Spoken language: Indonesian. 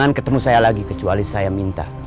jangan ketemu saya lagi kecuali saya minta